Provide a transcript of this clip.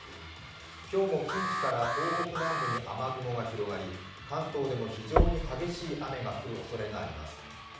今日も近畿から東北南部に雨雲が広がり関東でも非常に激しい雨が降るおそれがあります。